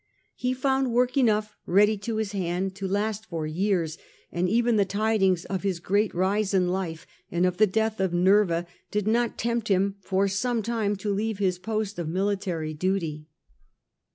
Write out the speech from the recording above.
He found work enough th?fr?nt!er ^^^dy to his hand to last for years, and even with defen the tidings of his great rise in life, and of the and he did death of Nerva, did not tempt him for some return'^* time to leave his post of military duty.